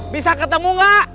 bisa ketemu gak